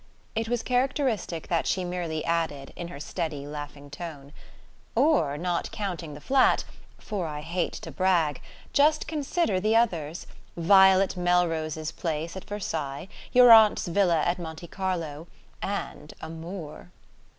It was characteristic that she merely added, in her steady laughing tone: "Or, not counting the flat for I hate to brag just consider the others: Violet Melrose's place at Versailles, your aunt's villa at Monte Carlo and a moor!"